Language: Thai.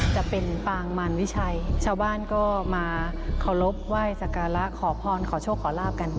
จะเป็นปางมารวิชัยชาวบ้านก็มาเคารพไหว้สการะขอพรขอโชคขอลาบกัน